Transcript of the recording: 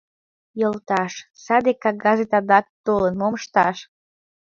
—...Йолташ, саде кагазет адак толын, мом ышташ?